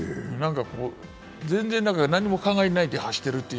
全然何も考えないで走ってるって。